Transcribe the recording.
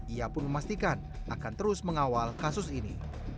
ia pun memastikan akan terus mengawal kasus ini